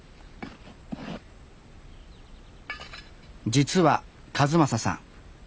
実は一正さん